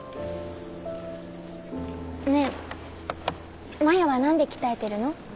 ねえ真矢は何で鍛えてるの？